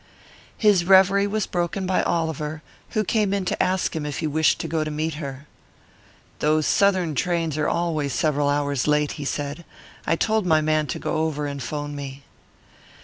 His revery was broken by Oliver, who came in to ask him if he wished to go to meet her. "Those Southern trains are always several hours late," he said. "I told my man to go over and 'phone me."